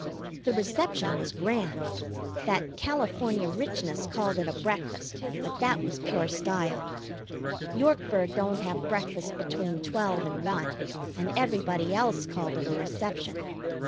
The reception was grand. That California Richness called it a breakfast, but that was pure style. Yorkburg don't have breakfast between twelve and one, and everybody else called it a reception.